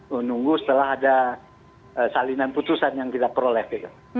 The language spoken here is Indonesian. menunggu setelah ada salinan putusan yang kita peroleh gitu